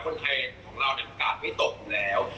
คนไทยของเราประกอบไม่ตกอีกแล้ว